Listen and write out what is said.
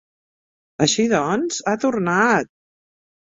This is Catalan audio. Així, doncs, ha tornat!